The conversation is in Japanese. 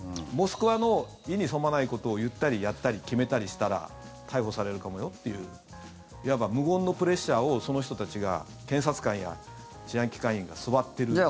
モスクワの意に沿わないことを言ったり、やったり決めたりしたら逮捕されるかもよっていういわば無言のプレッシャーをその人たちが検察官や治安機関員が座っている。